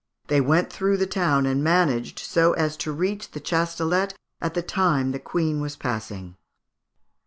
They went through the town, and managed so as to reach the Chastelet at the time the Queen was passing.